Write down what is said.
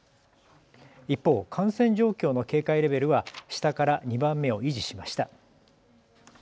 一方、感染状況の警戒レベルは下から２番目を維持しました。